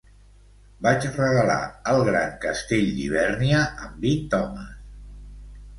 Vaig regalar el gran castell d'Hivèrnia amb vint homes.